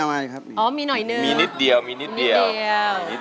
ด้านล่างเขาก็มีความรักให้กันนั่งหน้าตาชื่นบานมากเลยนะคะ